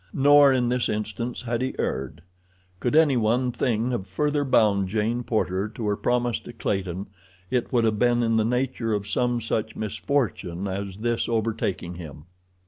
Nor, in this instance, had he erred. Could any one thing have further bound Jane Porter to her promise to Clayton it would have been in the nature of some such misfortune as this overtaking him.